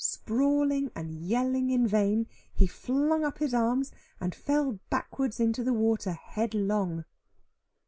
Sprawling and yelling in vain, he flung up his arms, and fell backward into the water headlong.